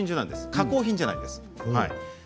加工品ではないんですね。